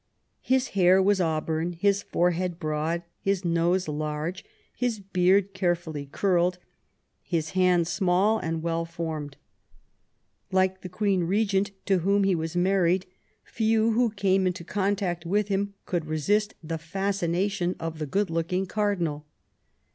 His hair was auburn, his forehead broad, his nose large, his beard carefully curled, his hands small and well, formed. Like the queen regent, to whom he was married, few who came into contact with him could resist the fascination of the good looking cardinal.